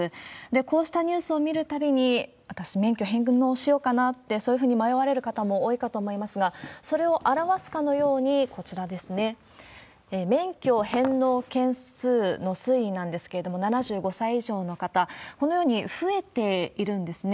こうしたニュースを見るたびに、私、免許返納しようかなって、そういうふうに迷われる方も多いかと思いますが、それを表すかのように、こちらですね、免許返納件数の推移なんですけども、７５歳以上の方、このように増えているんですね。